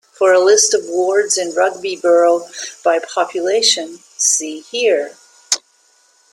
For a list of wards in Rugby borough by population see here.